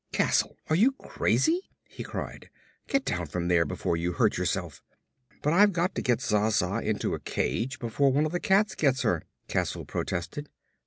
"Castle, are you crazy?" he cried. "Get down from there before you hurt yourself." "But I've got to get Zsa Zsa into a cage before one of the cats gets her," Castle protested.